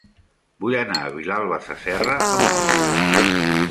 Vull anar a Vilalba Sasserra amb moto.